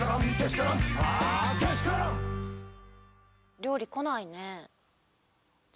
料理来ないね。